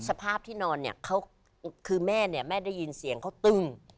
สภาพที่นอนเนี่ยเขาคือแม่เนี่ยแม่ได้ยินเสียงเขาตึ้ง